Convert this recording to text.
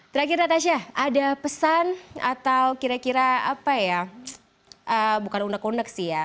terakhir natasha ada pesan atau kira kira apa ya bukan unek unek sih ya